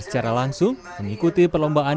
secara langsung mengikuti perlombaan